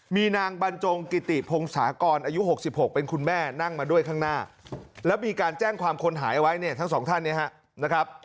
มีนางบรรจงกิติพงศากรอายุ๖๖เป็นคุณแม่นั่งมาด้วยข้างหน้าแล้วมีการแจ้งความคนหายไว้เนี่ยทั้งสองท่านเนี่ยฮะนะครับ